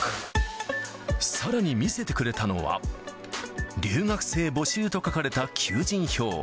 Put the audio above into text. さらに見せてくれたのは、留学生募集と書かれた求人票。